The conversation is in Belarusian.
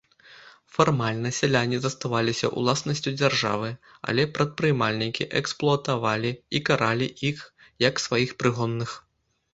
Фармальна сяляне заставаліся ўласнасцю дзяржавы, але прадпрымальнікі эксплуатавалі і каралі іх як сваіх прыгонных.